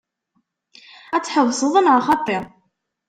Ad tḥebseḍ neɣ xaṭi?